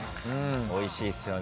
おいしいっすよね。